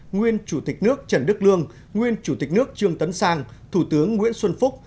nguyên chủ tịch nước trần đức lương nguyên chủ tịch nước trương tấn sang thủ tướng nguyễn xuân phúc